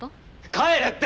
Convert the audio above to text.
帰れって！